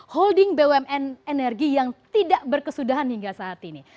holding bumn energi yang tidak berkesudahan hingga saat ini